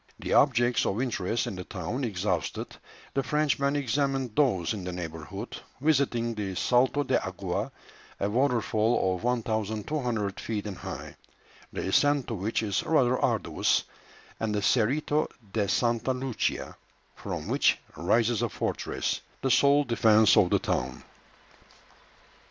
The objects of interest in the town exhausted, the Frenchmen examined those in the neighbourhood, visiting the Salto de Agua, a waterfall of 1200 feet in height, the ascent to which is rather arduous, and the Cerito de Santa Lucia, from which rises a fortress, the sole defence of the town.